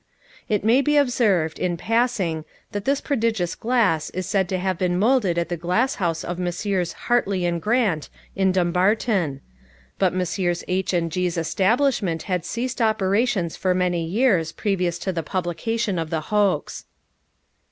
It may be observed, in passing, that this prodigious glass is said to have been molded at the glasshouse of Messrs. Hartley and Grant, in Dumbarton; but Messrs. H. and G.'s establishment had ceased operations for many years previous to the publication of the hoax.